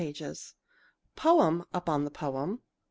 2 " Poem upon the poem